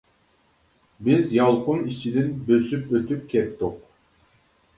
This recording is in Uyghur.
بىز يالقۇن ئىچىدىن بۆسۈپ ئۆتۈپ كەتتۇق.